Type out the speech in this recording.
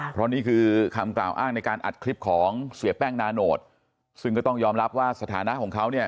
เพราะนี่คือคำกล่าวอ้างในการอัดคลิปของเสียแป้งนาโนตซึ่งก็ต้องยอมรับว่าสถานะของเขาเนี่ย